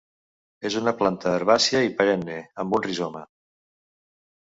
És una planta herbàcia i perenne amb un rizoma.